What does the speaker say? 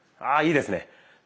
あいいですね！